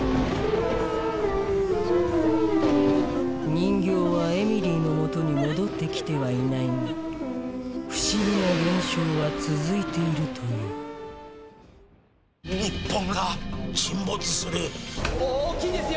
人形はエミリーのもとに戻ってきてはいないが不思議な現象は続いているという大きいですよ